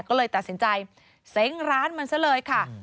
ก็เลยตัดสินใจเซ้งร้านมันซะเลยค่ะ